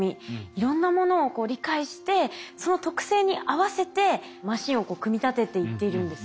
いろんなものを理解してその特性に合わせてマシンを組み立てていってるんですね。